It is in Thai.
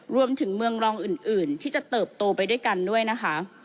รวมถึงเมืองรองอื่นที่จะเติบโตไปด้วยกันด้วยนะคะ